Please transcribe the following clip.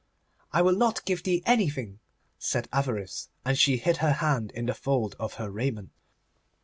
'I will not give thee anything,' said Avarice, and she hid her hand in the fold of her raiment.